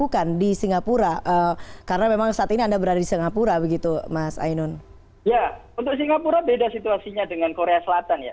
untuk singapura beda situasinya dengan korea selatan ya